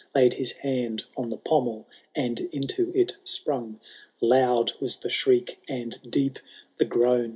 Laid his hand on the pommel, and into it q>rung. Loud was the shriek, and deep the groan.